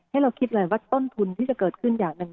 ให้เราคิดเลยว่าต้นทุนที่จะเกิดขึ้นอย่างหนึ่ง